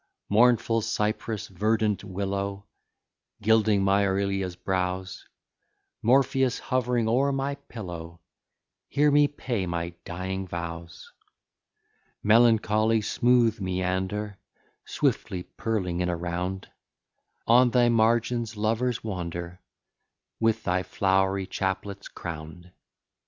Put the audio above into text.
Mournful cypress, verdant willow, Gilding my Aurelia's brows, Morpheus, hovering o'er my pillow, Hear me pay my dying vows. Melancholy smooth Meander, Swiftly purling in a round, On thy margin lovers wander, With thy flowery chaplets crown'd.